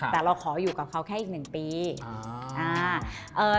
แต่เราขออยู่กับเขาแค่อีก๑ปี